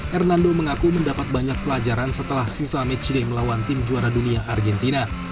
hernando mengaku mendapat banyak pelajaran setelah fifa matchday melawan tim juara dunia argentina